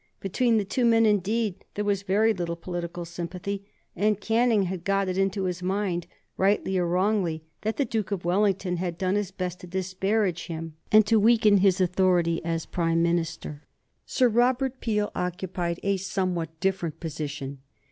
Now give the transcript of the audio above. Between the two men, indeed, there was very little political sympathy, and Canning had got it into his mind, rightly or wrongly, that the Duke of Wellington had done his best to disparage him and to weaken his authority as Foreign Minister. Sir Robert Peel occupied a somewhat different position.